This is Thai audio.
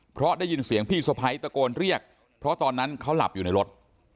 เพราะได้ยินเสียงพี่สะพ้ายตะโกนเรียกเพราะตอนนั้นเขาหลับอยู่ในรถ